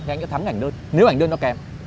thì anh sẽ thắng ảnh đơn nếu ảnh đơn nó kém